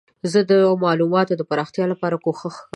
زه د معلوماتو د پراختیا لپاره کوښښ کوم.